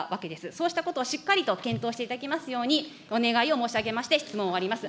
そうしたことをしっかりと検討していただけますようにお願いを申し上げまして、質問を終わります。